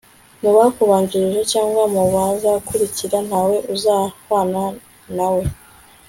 mu bakubanjirije cyangwa mu bazakurikira ntawe uzahwana nawe